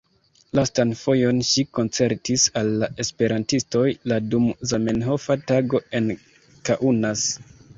Lastan fojon ŝi koncertis al la esperantistoj la dum Zamenhofa Tago en Kaunas.